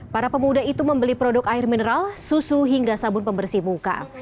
para pemuda itu membeli produk air mineral susu hingga sabun pembersih muka